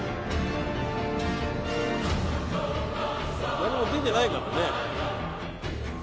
何も出てないからね。